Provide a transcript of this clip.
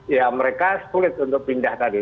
ya mereka sulit untuk pindah tadi